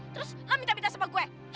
terus lo minta minta sama gue